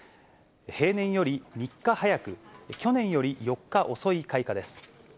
平年より３日早く、去年より４日遅い開花です。